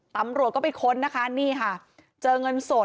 ตำรวจก็ไปค้นนะคะนี่ค่ะเจอเงินสด